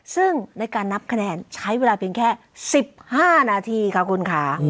ซึ่งในการนับคะแนนใช้เวลาเพียงแค่๑๕นาทีค่ะคุณค่ะ